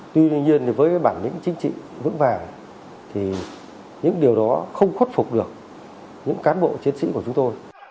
tuy nhiên với bản lĩnh chính trị vững vàng thì những điều đó không khuất phục được những cán bộ chiến sĩ của chúng tôi